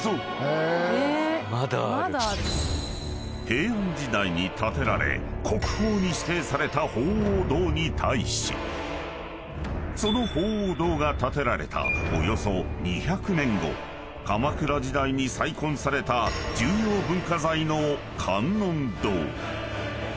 ［平安時代に建てられ国宝に指定された鳳凰堂に対しその鳳凰堂が建てられたおよそ２００年後鎌倉時代に再建された重要文化財の観音堂］